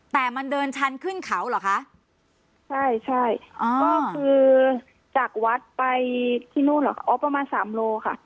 แต่มันเดินชันขึ้นเขาเหรอคะใช่ใช่ก็คือจากวัดไปที่นู่นเหรอคะ